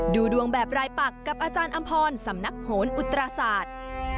ดูดวงแบบรายปักกับอาจารย์อำพรสำนักโหนอุตราศาสตร์